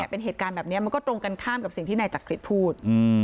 เป็นเหตุการณ์แบบนี้มันก็ตรงกันข้ามกับสิ่งที่นายจักริตพูด